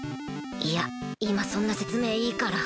いや今そんな説明いいから